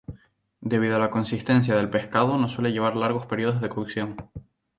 Debido a la consistencia del pescado no suele llevar largos periodos de cocción.